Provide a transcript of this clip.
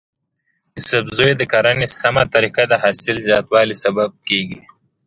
د سبزیو د کرنې سمه طریقه د حاصل زیاتوالي سبب کیږي.